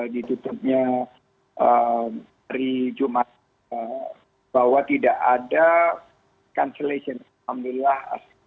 ditutupnya hari jumat bahwa tidak ada cancellation alhamdulillah